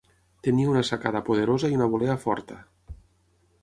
Tenia una sacada poderosa i una volea forta.